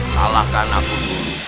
kalahkan aku dulu